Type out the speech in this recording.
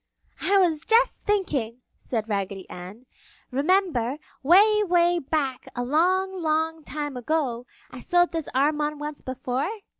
"I was just thinking!" said Raggedy Ann. "Remember, 'way, 'way back, a long, long time ago, I sewed this arm on once before?"